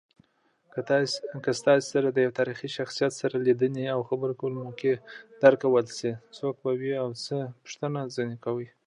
که ستاسې سره د یو تاریخي شخصیت سره د لیدنې او خبرو کولو موقع درکول شي . څوک به وي او څه پوښتنه ځینې کوئ؟